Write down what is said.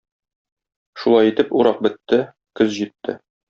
Шулай итеп, урак бетте, көз җитте.